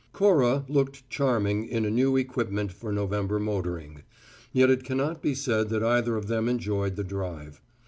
Cora looked charming in a new equipment for November motoring; yet it cannot be said that either of them enjoyed the drive.